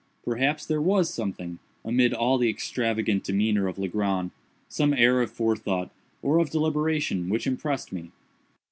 Perhaps there was something, amid all the extravagant demeanor of Legrand—some air of forethought, or of deliberation, which impressed me.